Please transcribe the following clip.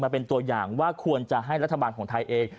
เป็นตัวอย่างว่าควรจะให้รัฐบาลของไทยเอง